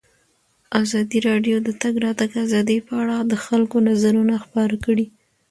ازادي راډیو د د تګ راتګ ازادي په اړه د خلکو نظرونه خپاره کړي.